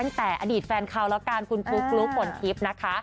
ตั้งแต่อดีตแฟนเขาแล้วกันคุณกลุ๊กบนคลิปนะคะ